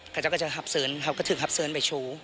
เขาจะขับเสิร์นเขาก็ถึงขับเสิร์นไปโชว์